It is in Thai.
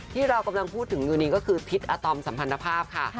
ที่เรากำลังพูดถึงอยู่นี้ก็คือทิศอาตอมสัมพันธภาพค่ะ